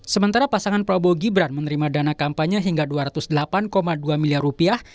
sementara pasangan prabowo gibran menerima dana kampanye hingga dua ratus delapan dua miliar rupiah